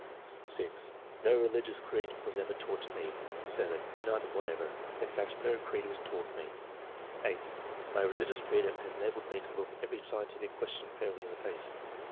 6. No religious creed was ever taught to me." 7. " None whatever. In fact, no creed was taught me." 8. "My religious freedom has enabled me to look every scientific question fairly in the face."